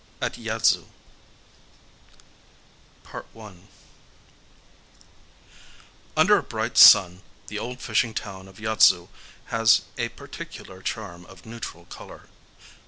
At Yaidzu I Under a bright sun the old fishing town of Yaidzu has a particular charm of neutral color.